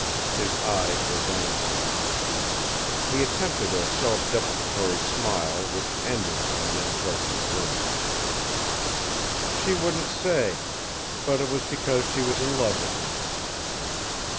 His eyes were downcast. He attempted a self deprecatory smile which ended in an unpleasant grimace. "She wouldn't say. But it was because she was in love with him."